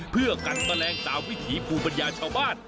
เพื่อกัดแมลงตามวิถีภูมิปัญญาชาวบ้าน